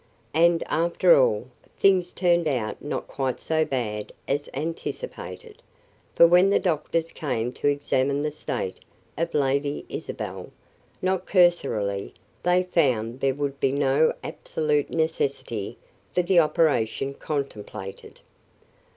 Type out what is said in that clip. And, after all, things turned out not quite so bad as anticipated; for when the doctors came to examine the state of Lady Isabel, not cursorily, they found there would be no absolute necessity for the operation contemplated.